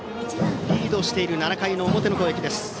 リードしている７回の表の攻撃です。